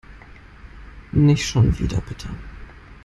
Nicht schon wieder, bitte.